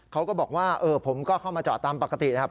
เขาก็บอกว่าผมก็เข้ามาจอดตามปกตินะครับ